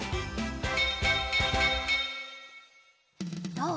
どう？